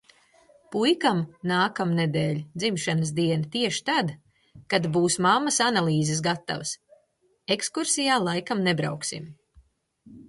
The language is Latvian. Puikam nākamnedēļ dzimšanas diena tieši tad, kad būs mammas analīzes gatavas. Ekskursijā laikam nebrauksim.